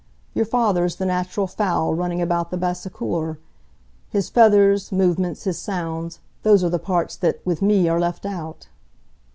Your father's the natural fowl running about the bassecour. His feathers, movements, his sounds those are the parts that, with me, are left out."